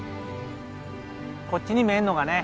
こっちに見えるのがね